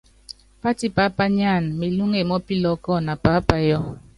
Pátipá pányáana melúŋe mɔ́ pilɔ́kɔ na paápayɔ́.